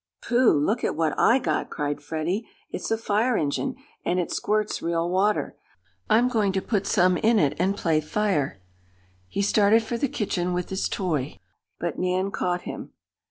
"Pooh! Look at what I got!" cried Freddie. "It's a fire engine, and it squirts real water. I'm going to put some in it, and play fire." He started for the kitchen with his toy, but Nan caught him.